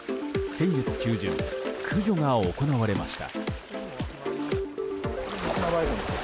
先月中旬、駆除が行われました。